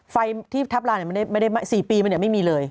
ไฟที่ทัพลานเนี่ยไม่ได้สี่ปีมันยังไม่มีเลย